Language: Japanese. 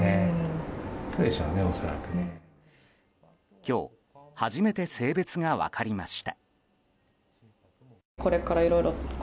今日、初めて性別が分かりました。